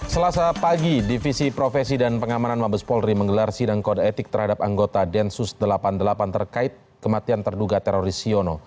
selasa pagi divisi profesi dan pengamanan mabes polri menggelar sidang kode etik terhadap anggota densus delapan puluh delapan terkait kematian terduga teroris siono